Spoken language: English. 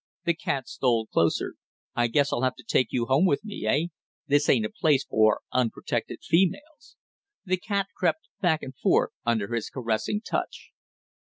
The cat stole closer. "I guess I'll have to take you home with me, eh? This ain't a place for unprotected females!" The cat crept back and forth under his caressing touch.